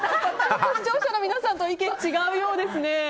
視聴者の皆さんと意見が違うようですね。